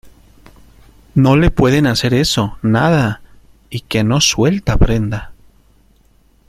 no le pueden hacer eso. nada, y que no suelta prenda .